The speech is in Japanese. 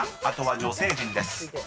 あとは女性陣です］